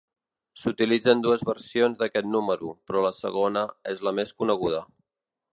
S'utilitzen dues versions d'aquest número, però la segona és la més coneguda.